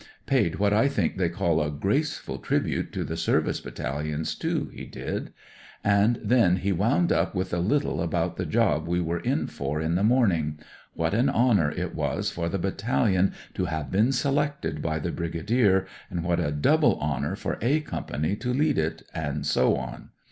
Paid what I think they call a graceful tribute to the Service Battalions, too, he did. And then NEWS FOR HOME O.C. COMPANY 147 he wound up with a little about the job we were in for in the morning ; what an honour it was for the Battalion to have been selected by the Brigadier, and what a double honour for * A ' Company to lead it, and so on.